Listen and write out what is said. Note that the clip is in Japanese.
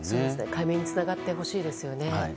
解明につながってほしいですよね。